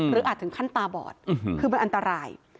อาจถึงขั้นตาบอดคือมันอันตราย